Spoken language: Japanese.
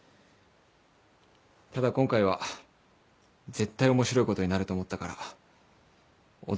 ただ今回は絶対面白いことになると思ったから驚かせたかったんだ。